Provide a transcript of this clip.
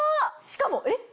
しかもえっ？